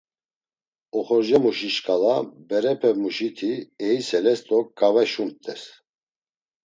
Oxorcamuşi şkala berepemuşi ti eiseles do ǩave şumt̆es.